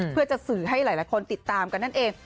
เพื่อจะสื่อให้หลายคนติดตามกันนั่นเอง